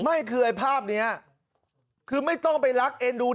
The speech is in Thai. ไม่คือไอ้ภาพเนี้ยคือไม่ต้องไปรักเอ็นดู